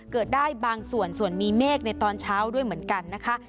เกิดได้บางส่วนส่วนมีเมฆในตอนเช้าด้วยเหมือนกันนะคะ